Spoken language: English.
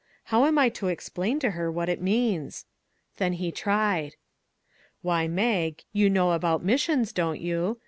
How am I to explain to her what it means ?" Then he tried. 178 NEW IDEAS " Why, Mag, you know about missions, don't you?